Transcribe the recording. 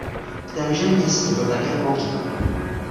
V témže městě byl také pohřben.